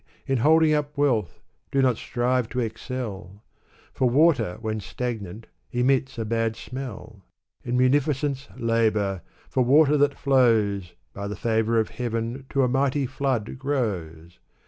In holding up wealth, do not strive to excel ! For water when stagnant emits a bad smell. In munificence labor ! for water that flows. By the favor of Heaven to a mighty flood grows